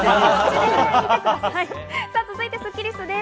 続いてスッキりすです。